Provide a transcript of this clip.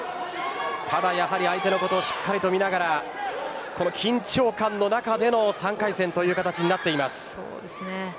ただ相手のことをしっかり見ながらこの緊張感の中での３回戦という形になっています。